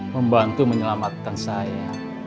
membantu menyelamatkan saya